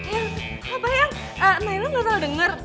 eh apa yang naila ngga terlalu denger